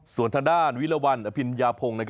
ส่วนทางด้านวิลวันอภิญญาพงศ์